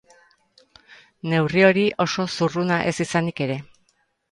Neurri hori oso zurruna ez izanik ere.